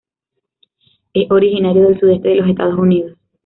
Es originario del sudeste de los Estados Unidos.